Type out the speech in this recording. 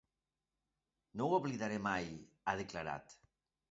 No ho oblidaré mai, ha declarat.